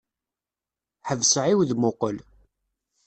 Ḥbes ɛiwed muqel.